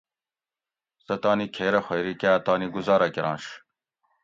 سہ تانی کھیرہ خویری کاۤ تانی گُزارہ کرنش